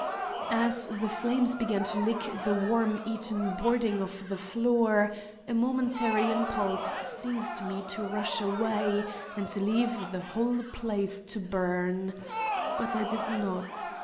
As the flames began to lick the worm eaten boarding of the floor a momentary impulse seized me to rush away and leave the whole place to burn. But I did not.